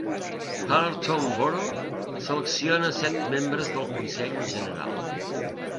Hellertown Borough selecciona set membres del consell en general.